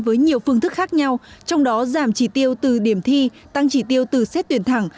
với nhiều phương thức khác nhau trong đó giảm chỉ tiêu từ điểm thi tăng chỉ tiêu từ xét tuyển thẳng